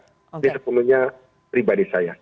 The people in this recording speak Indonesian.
jadi sepenuhnya pribadi saya